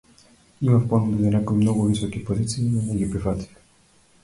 Имав понуда и за некои многу високи позиции, но не ги прифатив.